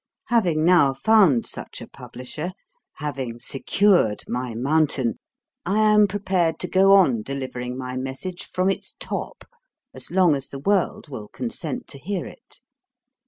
Having now found such a publisher having secured my mountain I am prepared to go on delivering my message from its top, as long as the world will consent to hear it.